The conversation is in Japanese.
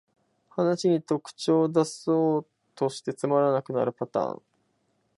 話に特徴だそうとしてつまらなくなるパターン